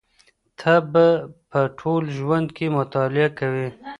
ته به په ټول ژوند کي مطالعه کوې.